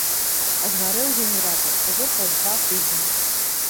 А згарэў генератар ужо праз два тыдні.